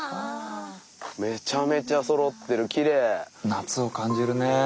夏を感じるね。